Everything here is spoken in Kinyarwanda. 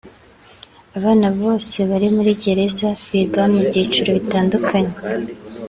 Abana bose bari muri gereza biga mu byiciro bitandukanye